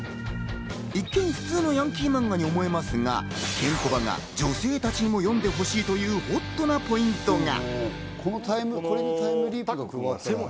一見、普通のヤンキーマンガに思いますが、ケンコバが女性たちにも読んでほしいという、ほっとなポイントが。